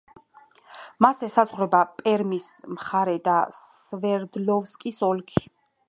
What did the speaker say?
მას ესაზღვრება პერმის მხარე და სვერდლოვსკის ოლქი.